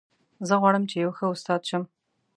زه غواړم چې یو ښه استاد شم